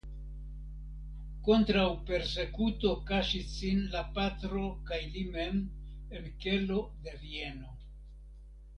Kontraŭ persekuto kaŝis sin la patro kaj li mem en kelo de Vieno.